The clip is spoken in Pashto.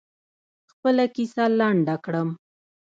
خپله کیسه لنډه کړم.